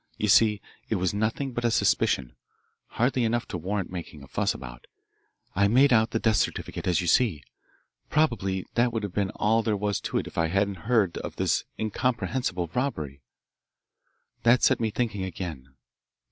You see, it was nothing but a suspicion hardly enough to warrant making a fuss about. I made out the death certificate, as you see. Probably that would have been all there was to it if I hadn't heard of this incomprehensible robbery. That set me thinking again.